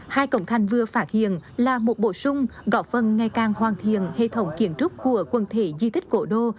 hai cổng thành vừa phạt hiền là một bổ sung gọt vâng ngày càng hoàn thiền hệ thống kiến trúc của quần thể di tích cổ đô